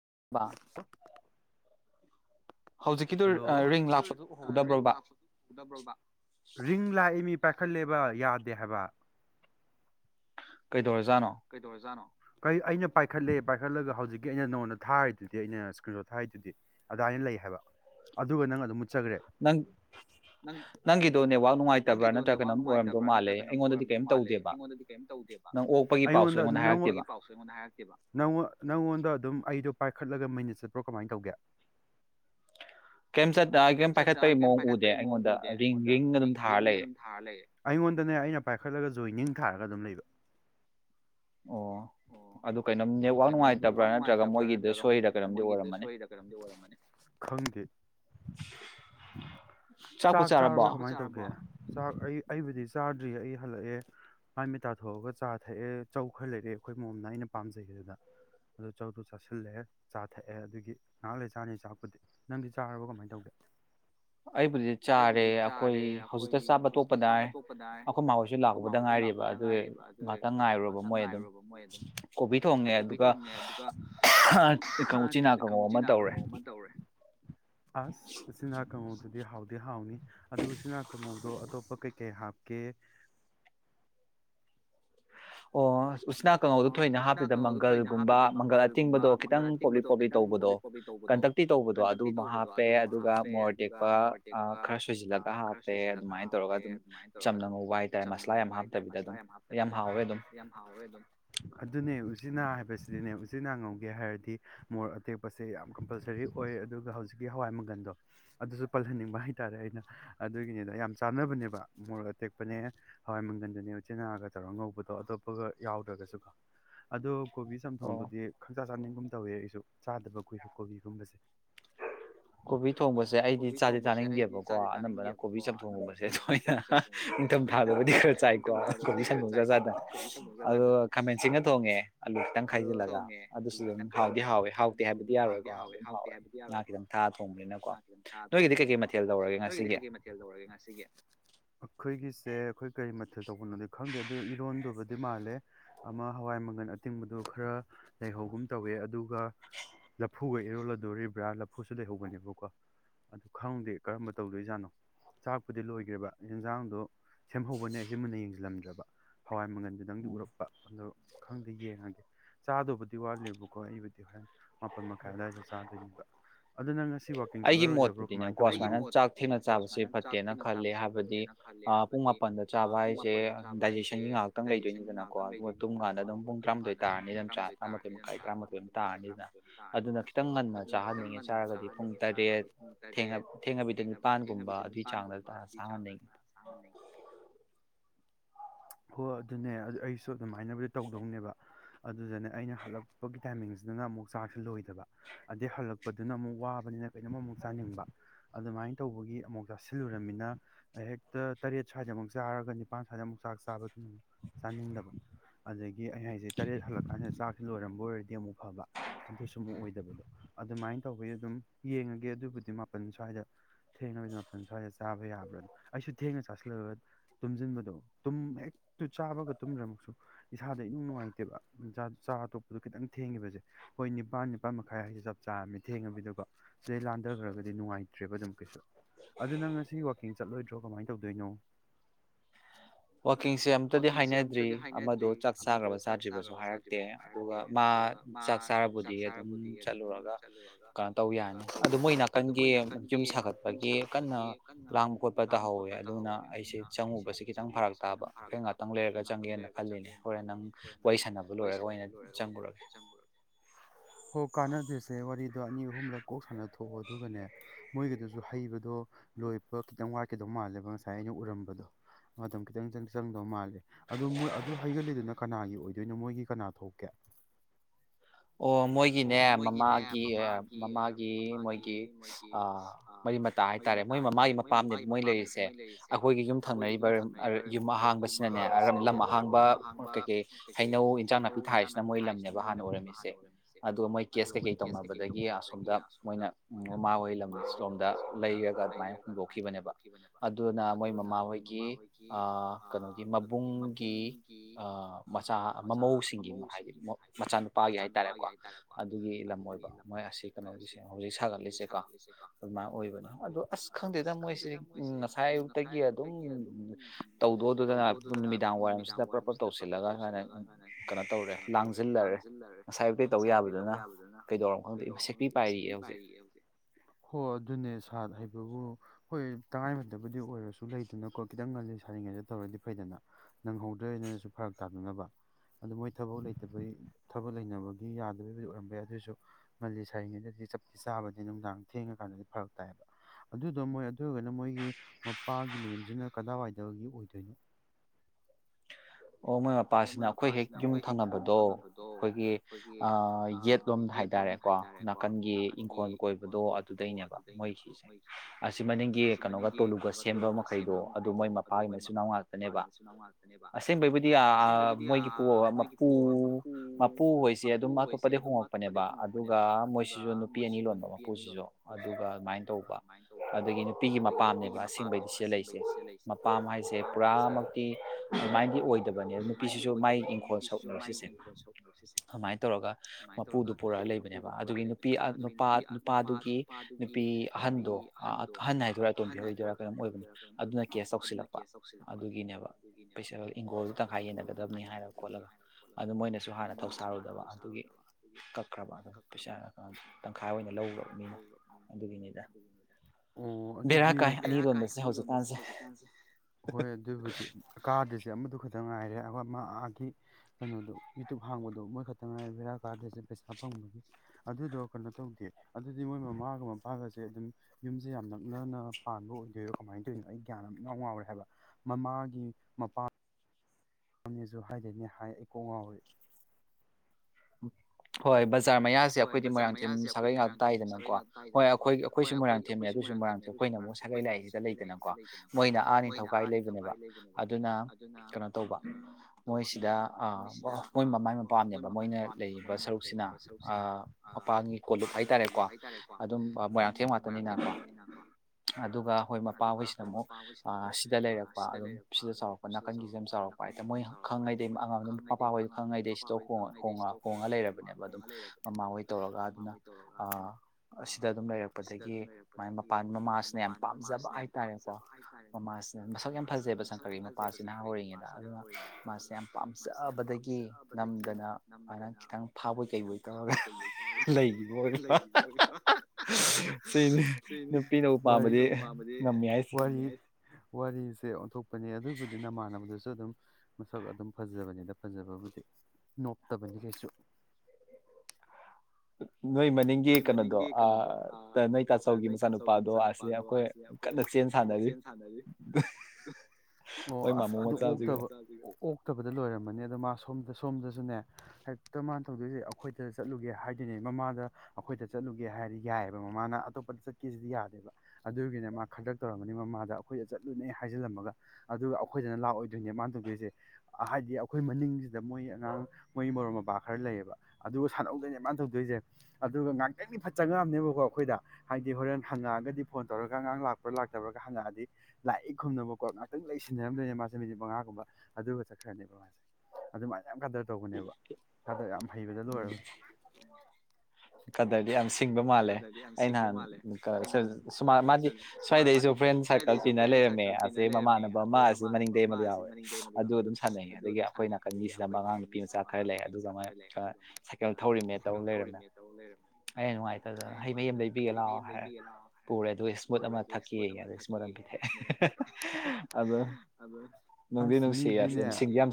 [unintelligible] ꯂ ꯄꯥꯏꯈꯠꯂꯦꯕ ꯌꯥꯗꯦ ꯍꯥꯏꯕ ꯀꯩꯗꯧꯔꯦꯖꯥꯅꯣ ꯀꯔꯤ ꯑꯩꯅ ꯄꯥꯏꯈꯠꯂꯦ ꯄꯥꯏꯈꯠꯂꯒ ꯍꯧꯖꯤꯛꯀꯤ ꯑꯩꯅ ꯅꯉꯣꯟꯗ ꯊꯥꯔꯤꯗꯨꯗꯤ ꯑꯩꯅ ꯏꯁꯀ꯭ꯔꯤꯟ ꯁꯣꯠ ꯊꯥꯔꯤꯗꯨꯗꯤ ꯑꯗꯨꯗꯥꯃꯥꯏꯅ ꯂꯩ ꯍꯥꯏꯕ ꯑꯗꯨꯒ ꯅꯪ ꯑꯗꯨꯝ ꯅꯪ ꯅꯪꯒꯤꯗꯣ ꯅꯦꯠꯋꯥꯛ ꯅꯨꯡꯉꯥꯏꯇꯕ꯭ꯔꯥ ꯅꯠꯇ꯭ꯔꯒꯅꯝ ꯑꯣꯏꯔꯝꯗꯧ ꯃꯥꯜꯂꯦ ꯑꯩꯉꯣꯟꯗꯗꯤ ꯀꯩꯝ ꯇꯧꯗꯦꯕ ꯅꯪ ꯑꯣꯛꯄꯒꯤ ꯑꯩꯉꯣꯟꯗ ꯅꯪꯉꯣꯟꯗ ꯑꯗꯨꯝ ꯑꯩꯗꯣ ꯄꯥꯏꯈꯠꯂꯒ ꯃꯩꯅꯠ ꯆꯠꯄ꯭ꯔꯣ ꯀꯃꯥꯏꯅ ꯇꯧꯒꯦ ꯀꯩꯝ ꯆꯠ ꯀꯩꯝ ꯄꯥꯏꯈꯠꯄꯒꯤ ꯃꯑꯣꯡ ꯎꯗꯦ ꯑꯩꯉꯣꯟꯗ ꯔꯤꯡ ꯔꯤꯡ ꯑꯗꯨꯝ ꯊꯥꯔ ꯂꯩꯌꯦꯦ ꯑꯩꯉꯣꯟꯗꯅꯦ ꯑꯩꯅ ꯄꯥꯏꯈꯠꯂꯒ ꯖꯣꯏ ꯅꯤꯡ ꯊꯥꯔꯒ ꯑꯗꯨꯝ ꯂꯩꯕ ꯑꯣ ꯑꯗꯨ ꯀꯩꯅꯣꯝ ꯅꯦꯠꯋꯥꯛ ꯅꯨꯡꯉꯥꯏꯇꯕ꯭ꯔꯥ ꯅꯠꯇ꯭ꯔꯒ ꯃꯣꯏꯒꯤꯗ ꯁꯣꯏꯗꯩꯅꯣ ꯑꯣꯏꯔꯝꯒꯅꯤ ꯈꯦ ꯆꯥꯛ ꯆꯥ ꯀꯃꯥꯏ ꯇꯧꯒꯦꯥꯛꯕꯨꯗꯤ ꯆꯥꯗ꯭ꯔꯤ ꯑꯩ ꯍꯜꯂꯛꯑꯦ ꯃ ꯃꯤ ꯇꯥꯊꯣꯛꯑꯒ ꯆꯥ ꯊꯛꯑꯦ ꯆꯧ ꯈꯔ ꯂꯩꯔꯑꯦ ꯑꯩꯈꯣꯏ ꯃꯃꯣꯝꯅ ꯑꯩꯅ ꯄꯥꯝꯖꯈꯤꯕꯗꯨꯗ ꯑꯗꯨ ꯆꯧꯗꯨ ꯆꯥꯁꯤꯜꯂꯦ ꯆꯥ ꯊꯛꯑꯦ ꯑꯗꯨꯒꯤ ꯉꯥꯏꯍꯥꯛ ꯂꯩ ꯆꯥꯅꯤ ꯆꯥꯛꯄꯨꯗꯤ ꯅꯪꯗꯤ ꯆꯥꯔꯕ ꯀꯃꯥꯏꯅ ꯇꯧꯒꯦ ꯑꯩꯕꯨꯗꯤ ꯆꯥꯔꯦ ꯑꯩꯈꯣꯏ ꯍꯧꯖꯤꯛꯇ ꯆꯥꯕꯇꯣꯞꯄꯗ ꯑꯩꯈꯣꯏ ꯃꯈꯣꯏꯁꯨ ꯂꯥꯛꯕꯗ ꯉꯥꯏꯔꯤꯕ ꯑꯗꯨ ꯉꯍꯥꯛꯇꯪ ꯉꯥꯏꯔꯨꯔꯕ ꯃꯣꯏ ꯑꯗꯨꯝ ꯃꯣꯏ ꯑꯗꯨꯝ ꯀꯣꯕꯤ ꯊꯣꯡꯉꯦ ꯑꯗꯨꯒ ꯆꯤꯅꯥ ꯀꯥꯡꯉꯧ ꯑꯃ ꯇꯧꯔꯦ ꯑꯁ ꯑꯗꯨꯗꯤ ꯍꯥꯎꯗꯤ ꯍꯥꯎꯅꯤ ꯑꯗꯨꯒ ꯁꯤꯅ ꯈꯉꯧꯗꯣ ꯑꯇꯣꯞꯄ ꯀꯩꯀꯩ ꯍꯥꯞꯀꯦ ꯑꯣ ꯎ ꯎꯆꯅꯥ ꯀꯥꯡꯩꯅꯧꯗꯣ ꯊꯣꯏꯅ ꯍꯥꯞꯇꯗ ꯃꯪꯒꯜꯒꯨꯝꯕ ꯃꯪꯒꯜ ꯑꯇꯤꯡꯕꯗꯣ ꯈꯤꯇꯪ ꯄꯣꯞꯂꯤ ꯄꯣꯞꯂꯤ ꯇꯧꯕꯗꯣ ꯀꯟꯇꯛꯇꯤ ꯇꯧꯕꯗꯣ ꯑꯗꯨꯃ ꯍꯥꯞꯄꯦ ꯑꯗꯨꯒ ꯃꯣꯔ ꯇꯦꯛꯄ ꯈꯔ ꯁꯣꯏꯁꯤꯜꯂꯒ ꯍꯥꯞꯄꯦ ꯑꯗꯨꯃꯥꯏꯅ ꯇꯧꯔꯒ ꯑꯗꯨꯝ ꯆꯝꯅ ꯉꯧꯕ ꯍꯥꯏꯇꯥꯔꯦ ꯃꯁꯂꯥ ꯌꯥꯝ ꯍꯥꯞꯇꯕꯤꯗ ꯑꯗꯨꯝ ꯌꯥꯝ ꯍꯥꯎꯋꯦ ꯑꯗꯨꯝ ꯌꯥꯝ ꯍꯥꯎꯋꯦ ꯑꯗꯨꯝ ꯑꯗꯨꯅꯦ ꯎꯆꯤꯅꯥ ꯍꯥꯏꯕꯁꯤꯗꯤꯅꯦ ꯎꯆꯤꯅꯥ ꯉꯧꯒꯦ ꯍꯥꯏꯔꯗꯤ ꯃꯣꯔꯣꯛ ꯑꯇꯦꯛꯄꯁꯦ ꯌꯥꯝ ꯀꯝꯄꯜꯁꯔꯤ ꯑꯣꯏ ꯑꯗꯨꯒ ꯍꯧꯖꯤꯛꯀꯤ ꯍꯋꯥꯏ ꯃꯪꯒꯜꯗꯣ ꯑꯗꯨꯁꯨ ꯄꯜꯍꯟꯅꯤꯡꯕ ꯍꯥꯏ ꯇꯥꯔꯦ ꯑꯩꯅ ꯑꯗꯨꯒꯤꯅꯤꯗ ꯌꯥꯝ ꯆꯥꯟꯅꯕꯅꯦꯕ ꯃꯣꯔꯣꯛ ꯑꯇꯦꯛꯄꯅꯦ ꯍꯋꯥꯏ ꯃꯪꯒꯜꯗꯨꯅꯦ ꯎꯆꯤꯟꯅꯥꯒ ꯇꯧꯔꯒ ꯉꯧꯕꯗꯣ ꯑꯇꯣꯞꯄꯒ ꯌꯥꯎꯗ꯭ꯔꯒꯁꯨ ꯑꯗꯨ ꯀꯣꯕꯤ ꯆꯝꯊꯣꯡꯗꯨꯗꯤ ꯆꯥꯛ ꯆꯥꯅꯤꯡꯒꯨꯝ ꯇꯧꯋꯦ ꯑꯩꯁꯨ ꯆꯥꯗꯕ ꯀꯨꯏꯔꯦ ꯀꯣꯕꯤꯒꯨꯝꯕꯁꯦ ꯀꯣꯕꯤ ꯊꯣꯡꯕꯁꯦ ꯑꯩꯗꯤ ꯆꯥꯗꯤ ꯆꯥꯅꯤꯡꯗꯦꯕꯀꯣ ꯑꯅꯝꯕꯅ ꯀꯣꯕꯤ ꯆꯝꯊꯣꯡꯒꯨꯝꯕꯁꯦ ꯁꯅ ꯅꯤꯡꯊꯝ ꯊꯥꯗꯕꯨꯗꯤ ꯈꯔ ꯆꯥꯏꯀꯣ ꯀꯣꯕꯤ ꯆꯝꯊꯣꯡ ꯆꯥ ꯆꯥꯗꯅ ꯑꯗꯣ ꯈꯥꯃꯦꯟ ꯆꯤꯅ ꯊꯣꯡꯉꯦ ꯑꯂꯨ ꯈꯤꯇꯪ ꯈꯥꯏꯖꯤꯜꯂꯒ ꯑꯗꯨꯁꯨ ꯑꯗꯨꯝ ꯍꯥꯎꯗꯤ ꯍꯥꯎꯋꯦ ꯍꯥꯎꯇꯦ ꯍꯥꯏꯕꯗꯤ ꯌꯥꯔꯣꯏꯀꯣ ꯑꯗꯨꯝ ꯍꯥꯎꯋꯦ ꯉꯥ ꯈꯤꯇꯪ ꯉ ꯊꯅꯀꯣ ꯅꯣꯏꯒꯤꯗꯤ ꯀꯩꯀꯩ ꯃꯊꯦꯜ ꯂꯧꯔꯒꯦ ꯉꯁꯤꯒꯤ ꯑꯩꯈꯣꯏ ꯁꯦ ꯑꯩꯈꯣꯏ ꯀꯔꯤ ꯃꯊꯦꯜ ꯇꯧꯕꯅꯣꯗ ꯈꯪꯗꯦ ꯑꯗꯨ ꯏꯔꯣꯟꯗꯕꯗꯤ ꯃꯥꯜꯂꯦ ꯑꯃ ꯍꯋꯥꯏ ꯃꯪꯒꯜ ꯑꯇꯤꯡꯕꯗꯨ ꯈꯔ ꯂꯩꯍꯧꯕꯒꯨꯝ ꯇꯧꯋꯦ ꯑꯗꯨ ꯂꯄ ꯂꯐꯨꯒ ꯏꯔꯣꯜꯂꯗꯣꯔꯤꯕ꯭ꯔꯥ ꯂꯐꯨꯁꯨ ꯂꯩꯍꯧꯕꯅꯦꯕꯀꯣ ꯑꯗꯨ ꯈꯪꯗꯦ ꯀꯔꯝꯕ ꯇꯧꯗꯣꯏꯖꯥꯠꯅꯣ ꯆꯥꯛꯄꯨꯗꯤ ꯂꯣꯏꯈ꯭ꯔꯦꯕ ꯌꯦꯟꯖꯥꯡꯗꯣ ꯁꯦꯝꯍꯧꯕꯅꯦ ꯑꯩꯁꯦ ꯃꯨꯟꯅ ꯌꯦꯡꯁꯤꯜꯂꯝꯗ꯭ꯔꯕ ꯍꯋꯥꯏ ꯃꯪꯒꯟꯗꯨ ꯅꯪꯗꯤ ꯎꯔꯛꯄ ꯑꯗꯣ ꯈꯪꯗꯦ ꯌꯦꯡꯉꯒꯦ ꯆꯥꯗꯕꯨꯗꯤ ꯋꯥꯠꯂꯦꯕꯀꯣ ꯑꯩꯕꯨꯗꯤ ꯍꯣꯔꯦꯟ ꯃꯥꯄꯜ ꯃꯈꯥꯏ ꯑꯋꯥꯏꯗ ꯆꯥꯗꯣꯏꯅꯦꯕ ꯑꯗꯨꯅ ꯉꯁꯤ ꯋꯥꯋꯥꯛꯀꯤꯡ ꯆꯠꯂꯔꯣꯏꯗꯕ꯭ꯔꯃꯥꯏ ꯇꯧꯕꯣ ꯁꯨꯃꯥꯏꯅ ꯆꯥꯛ ꯊꯤꯟꯅ ꯆꯥꯕꯁꯦ ꯐꯠꯇꯦꯅ ꯈꯜꯂꯦ ꯍꯥꯏꯕꯗꯤ ꯄꯨꯡ ꯃꯥꯄꯟꯗ ꯆꯥꯕ ꯍꯥꯏꯁꯦ ꯗꯥꯏꯖꯦꯁꯟꯒꯤꯇ ꯑꯗꯨꯒ ꯇꯨꯝ ꯀꯀꯥꯟꯗ ꯑꯗꯨꯝ ꯄꯨꯡ ꯇꯔꯥꯃꯥꯊꯣꯏ ꯇꯥꯔꯅꯤ ꯑꯗꯨꯝ ꯆꯥ ꯇꯔꯥꯃꯥꯊꯣꯏ ꯃꯈꯥꯏ ꯇꯔꯥꯃꯥꯊꯣꯏ ꯑꯗꯨꯝ ꯇꯥꯔꯅꯤꯗꯅ ꯑꯗꯨꯅ ꯈꯤꯇꯪ ꯉꯟꯅ ꯆꯥꯍꯟꯅꯤꯡꯉꯤ ꯆꯥꯔꯒꯗꯤ ꯄꯨꯡ ꯇꯔꯦꯠ ꯊꯦꯡꯅꯕꯤꯗ ꯅꯤꯄꯜꯒꯨꯝꯕ ꯑꯗꯨꯏ ꯆꯥꯡꯗ ꯇꯔꯥ ꯆꯥꯍꯟꯅꯤꯡꯉꯤ ꯍ ꯑꯗꯨ ꯑꯗꯨꯅꯦ ꯑꯩ ꯁꯨ ꯑꯗꯨꯃꯥꯏꯅꯕꯨꯗꯤ ꯇꯧꯗꯧꯅꯦꯕ ꯑꯗꯨꯗꯅꯦ ꯑꯩꯅ ꯍꯜꯂꯛꯄꯒꯤ ꯇꯥꯏꯃꯤꯡꯁꯤꯗꯅ ꯑꯃꯨꯛ ꯆꯥꯛꯔꯁꯨ ꯂꯣꯏꯗ ꯑꯗꯩ ꯍꯜꯂꯛꯄ ꯗꯨꯅ ꯑꯃꯨꯛ ꯋꯥꯕ ꯅꯤꯅ ꯀꯩꯅꯣꯃ ꯑꯃꯨꯛ ꯆꯥꯅꯤꯡꯕ ꯑꯗꯨꯃꯥꯏꯅ ꯇꯧꯕꯒꯤ ꯑꯃꯨꯛ ꯆꯥꯁꯤꯜꯂꯨꯨꯔꯃꯤꯅ ꯍꯦꯛꯇ ꯇꯔꯦꯠ ꯁ꯭ꯋꯥꯏꯗ ꯑꯃꯨꯛ ꯆꯥꯔꯒ ꯅꯤꯄꯥꯟ ꯁ꯭ꯋꯥꯗ ꯑꯃꯨꯛ ꯆꯥꯛ ꯆꯥꯕꯗꯨꯅ ꯑꯃꯨꯛ ꯆꯥꯅꯤꯡꯗꯕ ꯑꯖ ꯑꯩꯌꯥꯁꯦ ꯇꯔꯦꯠ ꯍꯜꯂꯛꯀꯥꯟꯗ ꯆꯥꯔꯦ ꯂꯣꯏꯔꯝꯕ ꯑꯣꯏꯔꯗꯤ ꯑꯃꯨꯛ ꯐꯕ ꯑꯗꯨꯁꯨ ꯑꯃꯨꯛ ꯑꯣꯏꯗꯕꯗꯣ ꯑꯗꯨꯃꯥꯏꯅ ꯇꯧꯕꯒꯤ ꯑꯗꯨꯝ ꯌꯦꯡꯉꯒꯦ ꯑꯗꯨꯕꯨꯗꯤ ꯃꯥꯄꯜ ꯁ꯭ꯋꯥꯏꯗ ꯊꯦꯡꯅꯕꯗꯤ ꯃꯥꯄꯜ ꯁ꯭ꯋꯥꯏꯗ ꯆꯥꯕ ꯌꯥꯕ꯭ꯔꯥ ꯑꯗꯨ ꯑꯩꯁꯨ ꯊꯦꯡꯅ ꯆꯥꯁꯤꯜꯂꯒ ꯇꯨꯝꯁꯤꯟꯕꯗꯣ ꯇꯨꯝ ꯍꯦꯛꯇꯨ ꯆꯥꯕꯒ ꯇꯨꯝꯗ꯭ꯔꯃꯛꯁꯨ ꯏꯁꯥꯗ ꯏꯅꯨꯡ ꯅꯨꯡꯉꯥꯏꯇꯦꯕ ꯆꯥ ꯑꯇꯣꯞꯄꯗꯣ ꯈꯤꯇꯪ ꯊꯦꯡꯈꯤꯕꯁꯦ ꯍꯣꯏ ꯅꯤꯄꯥꯟ ꯅꯤꯄꯥꯥꯟ ꯃꯈꯥꯏ ꯍꯥꯏꯁꯦ ꯆꯞ ꯆꯥꯔꯝꯃꯦ ꯊꯦꯡꯉꯕꯤꯗꯨꯣ ꯁꯤꯗꯩ ꯂꯥꯟꯊꯈ꯭ꯔꯒꯗꯤ ꯅꯨꯡꯉꯥꯏꯇ꯭ꯔꯦꯕ ꯑꯗꯨꯝ ꯀꯩꯁꯨ ꯑꯗꯨ ꯅꯪ ꯉꯁꯤ ꯋꯥꯋꯥꯛꯀꯤꯡ ꯆꯠꯂꯣꯏꯗ꯭ꯔꯣ ꯀꯃꯥꯏꯅ ꯇꯧꯗꯣꯏꯅꯣ ꯋꯥꯋꯥꯛꯀꯤꯡꯁꯦ ꯑꯝꯇꯗꯤ ꯍꯥꯏꯅꯗ꯭ꯔꯤ ꯑꯃꯗꯣ ꯆꯥꯛ ꯆꯥꯈ꯭ꯔꯕ ꯆꯥꯗ꯭ꯔꯤꯕꯁꯨ ꯍꯥꯏꯔꯛꯇꯦ ꯑꯗꯨꯒ ꯃꯥ ꯆꯥꯛ ꯆꯥꯕꯨꯗꯤ ꯑꯗꯨꯝ ꯆꯠꯂꯨꯔꯒ ꯀꯩꯅꯣ ꯇꯧ ꯌꯥꯅꯤ ꯑꯗꯨ ꯃꯣꯏ ꯅꯥꯀꯟꯒꯤ ꯌꯨꯝ ꯁꯥꯒꯠꯄꯒꯤ ꯀꯟꯅ ꯂꯥꯡꯕ ꯈꯣꯠꯄ ꯇꯧꯍꯧꯋꯦ ꯑꯗꯨꯅ ꯑꯩꯁꯦ ꯆꯪꯉꯨꯕꯕꯁꯤꯦ ꯈꯤꯇ ꯈꯤꯇꯪ ꯐꯔꯛ ꯇꯕ ꯑꯩꯈ ꯉꯥꯛꯇ ꯂꯩꯔꯒ ꯆꯪꯒꯦꯅ ꯈꯜꯂꯤꯦ ꯆꯪꯒꯦꯅ ꯈꯜꯂꯤ ꯍꯦꯟ ꯅꯪ ꯋꯥꯔꯤ ꯁꯥꯟꯅꯕ ꯂꯣꯏꯔꯒ ꯑꯣꯏꯅꯪ ꯀꯥꯟꯅꯗ꯭ꯔꯤꯁꯦ ꯋꯥꯔꯤꯗꯣ ꯑꯅꯤ ꯑꯍꯨꯝꯂꯛ ꯀꯣꯛ ꯁꯥꯟꯅ ꯊꯣꯛꯑꯣ ꯑꯗꯨꯒꯅꯦ ꯃꯣꯏꯒꯤꯗꯨꯁꯨ ꯍꯩꯕꯗꯣ ꯂꯣꯏꯕ ꯈꯤꯇꯪ ꯋꯥꯠꯀꯗꯧ ꯃꯥꯜꯂꯦꯕ ꯉꯁꯥꯏ ꯑꯩꯅ ꯎꯔꯝꯕꯗꯣ ꯃꯇꯝ ꯈꯤꯇꯪ ꯆꯪꯗꯧ ꯃꯥꯜꯂꯦ ꯑꯗꯨꯗ ꯃꯣꯏ ꯑꯗꯨ ꯍꯒꯜꯂꯤꯗꯨꯅ ꯀꯅꯥꯒꯤ ꯑꯣꯏꯗꯣꯏꯅꯣ ꯃꯣꯏꯒꯤ ꯀꯅꯥ ꯊꯣꯛꯀꯦ ꯑꯣ ꯃꯣꯏꯒꯤꯅꯦ ꯃꯃꯥꯒꯤ ꯃꯃꯥꯒꯤ ꯃꯣꯏꯒꯤ ꯃꯔꯤ ꯃꯇꯥ ꯍꯥꯏꯇꯥꯔꯦ ꯃꯣꯏ ꯃꯃꯥꯒꯤ ꯃꯄꯥꯝꯅꯦꯕ ꯃꯣꯏ ꯂꯩꯔꯤꯁꯦ ꯑꯩꯈꯣꯏꯒꯤ ꯌꯨꯝ ꯊꯪꯅꯔꯤꯕ ꯌꯨꯝ ꯑꯍꯥꯡꯕꯁꯤꯅꯅꯦ ꯂꯝ ꯑꯍꯥꯡꯕ ꯀꯩꯀꯩ ꯍꯩꯅꯧ ꯏꯟꯖꯥꯡ ꯅꯥꯄꯤ ꯊꯥꯔꯤꯁꯤꯅ ꯃꯣꯏ ꯂꯝꯅꯦꯕ ꯍꯥꯟꯅ ꯑꯣꯏꯔꯝꯃꯤꯁꯦ ꯀꯦꯁ ꯀꯩꯀꯩ ꯇꯧꯅꯕꯗꯒꯤ ꯑꯁꯣꯝꯗ ꯃꯣꯏꯅ ꯃꯃꯥꯍꯣꯏ ꯂꯝ ꯂꯣꯝꯗ ꯂꯩꯔꯒ ꯑꯗꯨꯃꯥꯏꯅ ꯍꯣꯡꯗꯣꯛꯈꯤꯕꯅꯦꯕ ꯑꯗꯨꯅ ꯃꯣꯏ ꯃꯃꯥꯍꯣꯏꯒꯤ ꯑ ꯀꯩꯅꯣꯒꯤ ꯃꯕꯨꯡꯒꯤ ꯑ ꯃꯆꯥ ꯃꯃꯧꯁꯤꯡꯒꯤ ꯍꯥꯏꯗꯤ ꯃꯆꯥꯅꯨꯄꯥꯒꯤ ꯍꯥꯏ ꯔꯦꯀꯣ ꯑꯗꯨꯒꯤ ꯂꯝ ꯑꯣꯏꯕ ꯃꯣꯏ ꯑꯁꯤ ꯀꯩꯅꯣꯒꯤꯁꯦ ꯍꯧꯖꯤꯛ ꯁꯥꯒꯠꯂꯤꯁꯦꯀꯣ ꯑꯗꯨꯃꯥꯏꯅ ꯑꯣꯏꯕꯅꯦ ꯑꯗꯣ ꯑꯁ ꯈꯪꯗꯦꯗ ꯃꯣꯏꯁꯤ ꯉꯁꯥꯏ ꯑꯌꯨꯛꯇꯒꯤ ꯑꯗꯨꯝ ꯇꯧꯗꯣꯛꯑꯣ ꯑꯗꯨꯗꯅ ꯅꯨꯃꯤꯗꯥꯡ ꯋꯥꯏꯔꯝꯁꯤꯗ ꯄꯔꯞ ꯄꯞ ꯇꯧꯁꯤꯜꯂꯒ ꯁꯃꯥꯏꯅ ꯀꯩꯅꯣ ꯇꯧꯔꯦ ꯂꯥꯡꯁꯤꯜꯂꯔꯦ ꯇꯧ ꯌꯥꯕꯗꯣ ꯌꯥ ꯍꯣ ꯑꯗꯨꯅꯦ ꯁꯥꯠ ꯍꯥꯏꯕꯕꯨ ꯍꯣꯏ ꯇꯉꯥꯏ ꯐꯗꯕꯨꯗꯤ ꯑꯣꯏꯔꯁꯨ ꯂꯩꯗꯅꯀꯣ ꯈꯤꯇꯪ ꯉꯜꯂꯤ ꯁꯥꯔꯤꯉꯩꯗ ꯇꯧꯔꯗꯤ ꯐꯩꯗꯅ ꯅꯪꯍꯧꯗ꯭ꯔꯣꯏꯗꯅꯁꯨ ꯐꯔꯛ ꯇꯥꯗꯅꯕ ꯑꯗꯣ ꯃꯣꯏ ꯊꯕꯛ ꯂꯩꯇꯕꯒꯤ ꯊꯕꯛ ꯂꯩꯅꯕꯒꯤ ꯌꯥꯗ ꯕꯨ ꯑꯣꯏꯔꯝꯕ ꯌꯥꯏ ꯑꯗꯨ ꯑꯣꯏꯔꯁꯨ ꯉꯜꯂꯤ ꯁꯥꯔꯤꯉꯩꯗꯗꯤ ꯆꯞꯇꯤ ꯆꯥꯕꯅꯤ ꯅꯨꯡꯗꯥꯡ ꯊꯦꯡꯉꯀꯥꯟꯗꯗꯤ ꯐꯔꯛ ꯇꯥꯏꯕ ꯑꯗꯨꯗꯣ ꯃꯣꯏ ꯑꯗꯨ ꯑꯣꯏꯔꯒꯅ ꯃꯣꯏꯒꯤ ꯃꯄꯥꯒꯤ ꯃꯌꯨꯝꯁꯤꯅ ꯀꯗꯥꯏꯋꯥꯏꯗꯕꯒꯤ ꯑꯣꯏꯗꯣꯏꯅꯣ ꯑꯣ ꯃꯣꯏ ꯃꯄꯥꯁꯤꯅ ꯑꯩꯈꯣꯏ ꯍꯦꯛ ꯌꯨꯝ ꯊꯪꯅꯕꯗꯣ ꯑꯩꯈꯣꯏꯒꯤ ꯑ ꯌꯦꯠꯂꯣꯝ ꯍꯥꯏꯇꯥꯔꯦꯀꯣ ꯅꯥꯀꯟꯒꯤ ꯏꯪꯈꯣꯜ ꯀꯣꯏꯕꯗꯣ ꯑꯗꯨꯗꯩꯅꯦꯕ ꯃꯣꯏꯒꯤꯁꯦ ꯑꯁꯤ ꯃꯅꯤꯡꯒꯤ ꯀꯩꯅꯣꯒ ꯇꯣꯂꯨꯒ ꯁꯦꯝꯕ ꯃꯈꯩꯗꯣ ꯑꯗꯨ ꯃꯣꯏ ꯃꯄꯥꯒꯤ ꯃꯆꯤꯟꯅꯥꯎ ꯉꯥꯛꯇꯅꯦꯕ ꯑꯕꯩꯕꯨꯗꯤ ꯌꯥ ꯑꯁꯦꯡꯕꯩꯕꯨꯗꯤ ꯃꯣꯏꯒꯤ ꯄꯨ ꯃꯄꯨ ꯃꯄꯨ ꯍꯥꯏꯩꯁꯦ ꯑꯗꯨꯝ ꯑꯇꯣꯞꯄꯗꯒꯤ ꯍꯣꯡꯉꯛꯄꯅꯦꯕ ꯑꯗꯨꯒ ꯃꯣꯏꯁꯤꯁꯨ ꯅꯨꯄꯤ ꯑꯅꯤ ꯂꯣꯟꯕ ꯃꯄꯨꯁꯤꯁꯨ ꯑꯗꯨꯒ ꯑꯗꯨꯃꯥꯏꯅ ꯇꯧꯕ ꯑꯗꯨꯒꯤ ꯅꯨꯄꯤꯒꯤ ꯃꯄꯥꯝꯅꯦꯕ ꯑꯁꯦꯡꯕꯩ ꯁꯤꯗ ꯂꯩꯁꯦ ꯃꯄꯥꯝ ꯍꯥꯏꯁꯦ ꯑꯗꯨꯃꯥꯏꯅꯗꯤ ꯑꯣꯏꯗꯕꯅꯤ ꯑꯗꯨ ꯅꯨꯄꯤꯁꯤꯁꯨ ꯃꯒꯤ ꯏꯪꯈꯣꯜ ꯁꯔꯨꯛꯅꯦꯕ ꯁꯤꯁꯦ ꯑꯗꯨꯃꯥꯏꯅ ꯇꯧꯔꯒ ꯃꯄꯨꯗꯨ ꯄꯨꯔꯒ ꯂꯩꯕꯅꯦꯕ ꯑꯗꯨꯒꯤ ꯅꯨꯄꯤ ꯅꯨꯄꯥ ꯅꯨꯄꯥꯗꯨꯒꯤ ꯅꯨꯄꯤ ꯑꯍꯟꯗꯣ ꯑꯍꯟ ꯍꯥꯏꯗꯣꯏꯔꯥ ꯑꯇꯣꯝꯕꯤ ꯑꯣꯏꯗꯣꯏꯔꯥ ꯀꯩꯅꯣꯝ ꯑꯣꯏꯕꯅꯤ ꯑꯗꯨꯅ ꯀꯦꯁ ꯇꯧꯁꯤꯜꯂꯛꯄ ꯑꯗꯨꯒꯤꯅꯦꯕ ꯄꯩꯁꯥ ꯏꯒꯣꯜ ꯍ ꯑꯗꯨꯕꯨꯗꯤ ꯀꯥꯔꯗꯁꯦ ꯑꯃꯗꯨ ꯈꯛꯇ ꯈꯛꯇ ꯉꯥꯏꯔꯦ ꯑꯗꯨꯒ ꯃꯥꯥꯒꯤ ꯀꯩꯅꯣꯗꯣ ꯌꯨꯇꯨꯨꯞ ꯍꯥꯡꯕꯗꯣ ꯃꯣꯏ ꯈꯛꯇ ꯉꯥꯏꯔꯦ ꯕꯦꯔꯥ ꯀꯥꯔꯒꯁꯦ ꯄꯩꯁꯥ ꯐꯪꯕꯒꯤ ꯑꯗꯨꯗꯣ ꯀꯩꯅꯣ ꯇꯧꯗꯦ ꯑꯗꯨꯗꯤ ꯃꯣꯏ ꯃꯃꯥꯒ ꯃꯄꯥꯒꯁꯦ ꯑꯗꯨꯝ ꯌꯨꯝꯁꯦ ꯌꯥꯝ ꯅꯛꯅꯅ ꯄꯥꯟꯕ ꯑꯣꯏꯗꯣꯏꯔꯣ ꯀꯃꯥꯏꯅ ꯇꯧꯔꯤꯣꯏꯅꯣ ꯑꯩ ꯒ꯭ꯌꯥꯟ ꯌꯥꯝ ꯌꯥꯝ ꯉꯥꯎꯔꯦ ꯍꯥꯏꯕ ꯃꯃꯥꯒꯤ ꯃꯄꯥ ꯃꯅꯤꯁꯨ ꯍꯥꯏꯗꯅꯦ ꯍꯥꯏ ꯑꯩ ꯀꯣꯛ ꯉꯥꯎꯋ ꯍꯣꯏ ꯑꯆꯥꯔ ꯃꯌꯥꯁꯦ ꯑꯩꯈꯣꯏꯗꯤ ꯃꯣꯏꯔꯥꯡꯊꯦꯝ ꯁꯥꯒꯩ ꯉꯥꯛꯇ ꯇꯥꯏꯗꯅꯀꯣ ꯍꯣꯏ ꯑꯩꯈꯣꯏ ꯑꯩꯈꯣꯏꯁꯨ ꯃꯣꯏꯔꯥꯡꯊꯦꯝꯅꯦ ꯑꯗꯨꯁꯨ ꯃꯣꯏꯔꯥꯡꯊꯦꯝ ꯑꯩꯈꯣꯏꯅ ꯑꯃꯨꯛ ꯁꯥꯒꯩ ꯂꯥꯏꯏꯁꯤꯗ ꯂꯩꯗꯅꯀꯣ ꯃꯣꯏꯅ ꯑꯥ ꯅꯤꯡꯊꯧꯀꯥꯏ ꯂꯩꯕꯅꯦꯕ ꯑꯗꯨꯅ ꯀꯩꯅꯣ ꯇꯧꯕ ꯃꯣꯏꯁꯤꯗ ꯃꯣꯏ ꯃꯃꯥꯏ ꯃꯄꯥꯝꯅꯦꯕ ꯃꯣꯏꯅ ꯃꯣꯏꯅ ꯂꯩꯔꯤꯕꯛ ꯃꯄꯥꯟꯒꯤ ꯀꯣꯂꯨꯞ ꯍꯥꯏꯇꯥꯔꯦꯀꯣ ꯑꯗꯨꯝ ꯃꯣꯏꯔꯥꯡꯊꯦꯝ ꯉꯥꯛꯇꯅꯤꯅꯀꯣ ꯑꯗꯨꯒ ꯍꯣꯏ ꯃꯄꯥ ꯍꯣꯏꯁꯤꯅ ꯑꯃꯨꯛ ꯁꯤꯗ ꯂꯩꯔꯛꯄ ꯑꯗꯨꯝ ꯁꯤꯗ ꯆꯥꯎꯔꯛꯄ ꯅꯥꯀꯟꯒꯤꯁꯤ ꯑꯗꯨ ꯆꯥꯎꯔꯛꯄ ꯍꯥꯏꯇꯥꯦ ꯃꯣꯏ ꯈꯪꯉꯩꯗꯩ ꯑꯉꯥꯡ ꯃꯄꯥ ꯍꯣꯏꯗꯣ ꯈꯪꯉꯩꯗ ꯁꯤꯗ ꯍꯣꯡꯉ ꯍꯣꯡꯉ ꯂꯩꯔꯕꯅꯦꯕ ꯑꯗꯨꯝ ꯃꯃꯥꯍꯣꯏ ꯇꯧꯔꯒ ꯑꯗꯨꯅ ꯑꯁꯤꯗ ꯑꯗꯨꯝ ꯂꯩꯔꯛꯄꯗꯒꯤ ꯃꯥꯏ ꯃꯄꯥꯥꯟ ꯃꯃꯥꯁꯤꯅ ꯌꯥꯝ ꯄꯥꯝꯖꯕ ꯍꯥꯏꯇꯥꯔꯦꯀꯣ ꯃꯃꯥꯁꯤꯅ ꯃꯁꯛ ꯌꯥꯝ ꯐꯖꯩꯑꯕ ꯁꯪꯀꯔꯒꯤ ꯃꯄꯥꯁꯤ ꯅꯍꯥ ꯑꯣꯏꯔꯤꯉꯩꯗ ꯑꯗꯨꯅ ꯃꯥꯃꯁꯤꯅ ꯌꯥꯝ ꯄꯥꯝꯖꯕꯗꯒꯤ ꯅꯝꯗꯅ ꯑꯅ ꯈꯤꯇꯪ ꯐꯥꯕꯣꯏ ꯀꯩ ꯑꯣꯏ ꯥꯗꯤ ꯋꯥꯔꯤꯁꯦ ꯑꯣꯟꯊꯣꯛꯄꯅꯤ ꯑꯗꯨꯕꯨꯗꯤ ꯅꯃꯥꯟꯅꯕꯗꯁꯨ ꯑꯗꯨꯝ ꯃꯁꯛ ꯑꯗꯨꯝ ꯐꯖꯕꯅꯤꯗ ꯐꯖꯕꯕꯨꯗꯤ ꯅꯣꯞꯇꯕꯅꯤ ꯀꯩꯁꯨ ꯎ ꯅꯣꯏ ꯃꯅꯤꯡꯒꯤ ꯀꯩꯅꯣꯗꯣ ꯅꯣꯏ ꯀꯥꯆꯧꯒꯤ ꯃꯆꯥꯅꯨꯄꯥꯗꯣ ꯑꯩꯈꯣꯏ ꯀꯟꯅ ꯆꯦꯟ ꯁꯅꯔꯤ ꯑꯣ ꯑꯁ ꯑꯗꯨꯕꯗ ꯂꯣꯏꯔꯝꯃꯅꯤ ꯑ ꯁꯣꯝꯗ ꯁꯣꯝꯗꯁꯨꯅꯦ ꯍꯦꯛꯇ ꯃꯥꯅ ꯇꯧꯗꯣꯏꯁꯦ ꯑꯩꯈꯣꯏꯗ ꯆꯠꯂꯨꯒꯦ ꯍꯥꯏꯗꯨꯣꯏꯅꯦ ꯃꯃꯥꯗ ꯑꯩꯈꯣꯏꯗ ꯆꯠꯂꯨꯒꯦ ꯍꯥꯏꯔꯗꯤ ꯌꯥꯏꯑꯕ ꯃꯃꯥꯅ ꯑꯇꯣꯞꯄꯗ ꯆꯠꯀꯦꯁꯤꯗꯤ ꯌꯥꯗꯦꯕ ꯑꯗꯨꯒꯤꯅꯦ ꯃꯥ ꯈꯟꯗꯛ ꯇꯧꯔꯝꯃꯅꯤ ꯃꯃꯥꯗ ꯑꯩꯈꯣꯏꯗ ꯆꯠꯂꯨꯅꯦ ꯍꯥꯏꯖꯤꯜꯂꯝꯃꯒ ꯑꯗꯨꯒ ꯑꯩꯈꯣꯏꯗꯅ ꯂꯥꯛꯑꯣꯏꯗꯣꯏꯅꯦ ꯃꯥꯅ ꯇꯧꯗꯣꯏꯁꯦ ꯍꯥꯏꯗꯤ ꯑꯩꯈꯣꯏ ꯃꯅꯤꯡꯁꯤꯗ ꯃꯣꯏ ꯑꯉꯥꯡ ꯃꯣꯏ ꯃꯔꯨꯞ ꯃꯄꯥ ꯈꯔ ꯂꯩꯌꯦꯕ ꯑꯗꯨꯒ ꯁꯥꯟꯅꯧꯗꯣꯏꯅꯦ ꯃꯥꯅ ꯇꯧꯗꯣꯏꯁꯦ ꯑꯗꯨꯒ ꯉꯥꯛꯇꯪꯗꯤ ꯐꯠ ꯆꯪꯉꯛꯑꯝꯅꯦꯕꯀꯣ ꯑꯩꯈꯣꯏꯗ ꯍꯥꯏꯗꯤ ꯍꯣꯔꯦꯟ ꯍꯪꯉꯛꯑꯒꯗꯤ ꯐꯣꯟ ꯇꯧꯔꯒ ꯑꯉꯥꯡ ꯂꯥꯛꯄ꯭ꯔꯥ ꯂꯥꯛꯇꯕ꯭ꯔꯒ ꯍꯪꯉꯛꯑꯗꯤ ꯂꯥꯛꯏ ꯈꯨꯝꯅꯕꯀꯣ ꯉꯥꯛꯇꯪ ꯂꯩꯁꯤꯟꯅꯔꯝꯗꯣꯏꯅꯦ ꯃꯥꯁꯦ ꯃꯤꯅꯤꯠ ꯃꯉꯥꯒꯨꯝꯕ ꯑꯗꯨꯒ ꯆꯠꯈ꯭ꯔꯅꯦꯕ ꯃꯥꯁꯦ ꯑꯗꯨꯃꯥꯏꯅ ꯌꯥꯝ ꯀꯗ ꯇꯧꯕꯅꯦꯕ ꯐꯗ ꯌꯥꯝ ꯍꯕꯖꯂꯣ ꯑ ꯀꯗꯗꯤ ꯌꯥꯝ ꯁꯤꯡꯕ ꯃꯥꯜꯂꯦ ꯑ ꯅꯍꯥꯟꯨ ꯃꯥꯗꯤ ꯁ꯭ꯋꯥꯏꯗꯩꯁꯨ ꯐ꯭ꯔꯦꯟ ꯁꯥꯔꯀꯜ ꯇꯤꯟꯅ ꯂꯩꯔꯝꯃꯦ ꯑꯁꯤ ꯃꯃꯥꯟꯅꯕ ꯑꯃ ꯑꯁꯤ ꯃꯅꯤꯡꯗ ꯑꯃ ꯌꯥꯎꯋꯦ ꯑꯗꯨ ꯑꯗꯨꯝ ꯁꯥꯟꯅꯩꯌꯦ ꯑꯗꯒꯤ ꯑꯩꯈꯣꯏ ꯅꯥꯀꯟꯒꯤꯁꯤꯗ ꯑꯉꯥꯡ ꯅꯨꯄꯤ ꯃꯆꯥ ꯈꯔ ꯂꯩ ꯑꯗꯨꯒ ꯃꯥ ꯁꯥꯏꯀꯜ ꯊꯧꯔꯤꯝꯃꯦ ꯇꯧ ꯂꯩꯔꯝꯃꯦ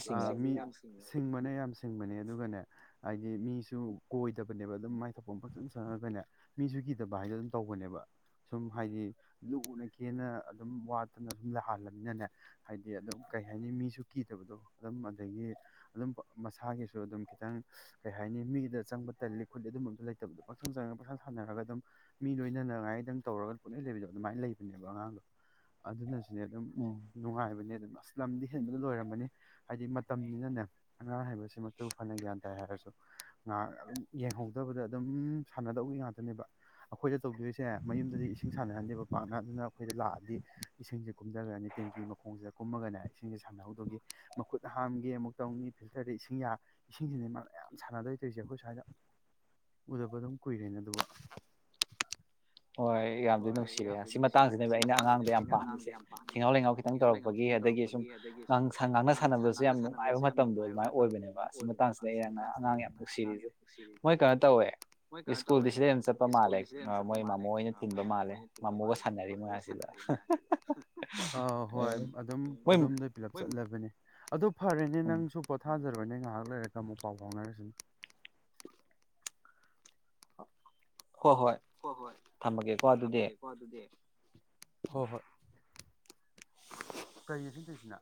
ꯑꯁꯗꯤꯅꯦ ꯁꯤꯡꯕꯅꯦ ꯌꯥꯝ ꯁꯤꯡꯕꯅꯦ ꯑꯗꯨꯒꯅꯦ ꯍꯥꯏꯗꯤ ꯃꯤꯁꯨ ꯀꯣꯏ ꯀꯤꯇꯕꯅꯦꯕ ꯑꯗꯨꯝ ꯃꯥꯏ ꯊꯛꯄ ꯐꯖꯪ ꯆꯪꯉꯒꯅꯦ ꯃꯤꯁꯨ ꯀꯤꯗꯕ ꯍꯥꯏꯗꯣ ꯑꯗꯨꯝ ꯇꯧꯕꯅꯦꯕ ꯁꯨꯝ ꯍꯥꯏꯗꯤ ꯂꯨꯅ ꯀꯦꯅ ꯑꯗꯨꯝ ꯋꯥꯠꯇꯅ ꯁꯨꯝ ꯂꯥꯛꯍꯜꯂꯅꯤꯅꯅꯦ ꯍꯥꯏꯗꯤ ꯑꯗꯨꯝ ꯀꯩ ꯍꯥꯏꯅꯤ ꯃꯤꯁꯨ ꯀꯤꯗꯕꯗꯣ ꯑꯗꯨꯝ ꯑꯗꯒꯤ ꯑꯗꯨꯝ ꯃꯁꯥꯒꯤꯁꯨ ꯑꯗꯨꯝ ꯈꯤꯇꯪ ꯀꯩ ꯍꯥꯏꯅꯤ ꯃꯤꯒꯤꯗ ꯆꯪꯕ ꯇꯜꯂꯤ ꯈꯨꯠꯂꯤ ꯑꯗꯨꯝ ꯑꯝꯇ ꯂꯩꯇꯕꯗꯣ ꯄꯥꯛꯁꯪ ꯆꯪꯉꯒ ꯄꯥꯛꯁꯥ ꯁꯥꯟꯅꯔꯒ ꯑꯗꯨꯝ ꯃꯤ ꯂꯣꯏꯅꯅꯉꯥꯏꯗꯪ ꯇꯧꯔꯒ ꯄꯨꯅꯤꯡꯩ ꯂꯩꯕꯤꯗꯣ ꯑꯗꯨꯃꯥꯏ ꯂꯩꯕꯅꯦꯕ ꯑꯉꯥꯡꯗꯣ ꯑꯗꯨꯅꯁꯨꯅꯦ ꯑꯗꯨꯝ ꯅꯨꯡꯉꯥꯏꯕꯅꯦ ꯑꯗꯨꯝ ꯑꯁ ꯂꯝꯗꯤ ꯍꯦꯟꯕꯗ ꯂꯣꯏꯔꯝꯃꯅꯤ ꯍꯥꯏꯗꯤ ꯇꯅꯤꯅꯅꯦ ꯑꯉꯥꯡ ꯍꯥꯏꯕꯁꯤꯃꯕꯨ ꯐꯅ ꯒ꯭ꯌꯥꯟ ꯇꯥꯏ ꯍꯥꯏꯔꯁꯨ ꯉꯍꯥꯛ ꯑꯗꯨꯝ ꯌꯦꯡꯍꯧꯗꯕꯗ ꯑꯗꯨꯝ ꯁꯥꯟꯅꯗꯧ ꯉꯥꯛꯇꯅꯦꯕ ꯑꯩꯈꯣꯏꯗ ꯇꯧꯗꯣꯏꯁꯦ ꯃꯌꯨꯝꯗꯗꯤ ꯏꯁꯤꯡ ꯁꯥꯟꯅꯍꯟꯗꯦꯕ ꯄꯥꯛꯅ ꯑꯗꯨꯅ ꯑꯩꯈꯣꯏꯗ ꯂꯥꯛꯑꯗꯤ ꯏꯁꯤꯡꯁꯦ ꯀꯨꯝꯊꯈ꯭ꯔꯅꯤ ꯇꯦꯡꯀꯤ ꯃꯈꯣꯡꯁꯤꯗ ꯀꯨꯝꯃꯒꯅꯦ ꯏꯁꯤꯡꯁꯦ ꯁꯥꯟꯅꯍꯧꯗꯧꯒꯤ ꯃꯈꯨꯠ ꯍꯥꯝꯒ ꯑꯃꯨꯛ ꯇꯧꯅꯤ ꯐꯤꯜꯇꯔꯗ ꯏꯁꯤꯡ ꯌꯥ ꯏꯁꯤꯡꯁꯤꯅꯦ ꯃꯥꯅ ꯃꯌꯥꯝ ꯁꯥꯟꯅꯗꯣꯏ ꯇꯣꯏꯔꯤꯁꯦ ꯑꯩꯈꯣꯏ ꯁ꯭ꯋꯥꯏꯗ ꯎꯗꯕ ꯑꯗꯨꯝ ꯀꯨꯏꯔꯦꯅꯦ ꯑꯗꯨꯒ ꯍꯣꯏ ꯌꯥꯝꯗꯤ ꯅꯨꯡꯁꯤꯔꯦ ꯑꯁꯤ ꯃꯇꯥꯡꯁꯤꯅꯦꯕ ꯑꯩꯅ ꯑꯉꯥꯡꯗ ꯌꯥꯝ ꯄꯥꯝꯃꯤꯁꯦ ꯊꯦꯡꯍꯥꯎ ꯂꯩꯉꯥꯎ ꯈꯤꯇꯪ ꯇꯧꯔꯛꯄꯒꯤ ꯑꯗꯒꯤ ꯁꯨꯝ ꯉꯥꯡꯅ ꯁꯥꯟꯅꯕꯁꯨ ꯌꯥꯝ ꯅꯨꯡꯉꯥꯏꯕ ꯃꯇꯝꯗꯣ ꯑꯗꯨꯃꯥꯏꯅ ꯑꯣꯏꯕꯅꯦꯕ ꯑꯁꯤ ꯃꯇꯥꯡꯁꯤꯗ ꯑꯩꯅ ꯑꯉꯥꯡ ꯌꯥꯝ ꯅꯨꯡꯁꯤꯔꯤꯁꯦ ꯃꯣꯏ ꯀꯩꯅꯣ ꯇꯧꯋꯦ ꯁ꯭ꯀꯨꯜꯗꯤ ꯁꯤꯗ ꯑꯗꯨ ꯆꯠꯄ ꯃꯥꯜꯂꯦ ꯃꯥꯂꯦꯛ ꯑ ꯍꯣꯏ ꯑꯗꯨꯝ ꯑꯗꯨꯝꯗ ꯆꯠꯂꯕꯅꯦ ꯑꯗ ꯐꯔꯦꯅꯦ ꯅꯪꯁꯨ ꯄꯣꯊꯥꯖꯔꯛꯦ ꯂꯣꯏꯅ ꯉꯥꯏꯍꯥꯛ ꯂꯩꯔꯒ ꯑꯃꯨꯛ ꯄꯥꯎ ꯐꯥꯎꯅꯔꯁꯤꯅꯤ ꯍꯣꯏ ꯍꯣꯏ ꯊꯝꯃꯒꯦꯀꯣ ꯑꯗꯨꯗꯤ ꯍꯣꯏ ꯍꯣꯏ ꯀꯔꯤ ꯑꯁꯤꯅ ꯇꯧꯔꯤꯁꯤꯅ